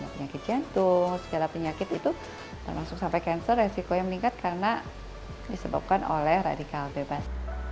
penyakit jantung segala penyakit itu langsung sampai cancel resiko yang meningkat karena disebabkan oleh radikal bebas